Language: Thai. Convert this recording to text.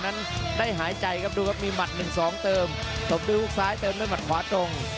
นั้นได้หายใจครับดูครับมีหมัดหนึ่งสองเติมตบด้วยฮุกซ้ายเติมด้วยหมัดขวาตรง